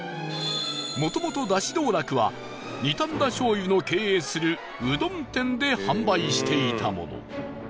もともと、だし道楽は二反田醤油の経営するうどん店で販売していたもの